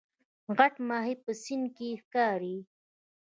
غټ ماهی په سیند کې ښکاري